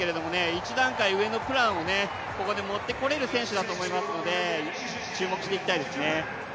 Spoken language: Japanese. １段階上のプランをここで持ってこれる選手だと思いますので、注目していきたいですね。